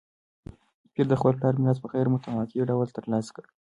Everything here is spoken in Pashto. پییر د خپل پلار میراث په غیر متوقع ډول ترلاسه کړ.